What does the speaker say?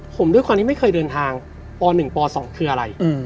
ผมด้วยความที่ไม่เคยเดินทางป๑ป๒คืออะไร